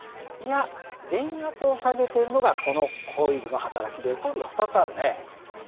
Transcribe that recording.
いや電圧を下げてるのがこのコイルの働きでコイルが２つあるね。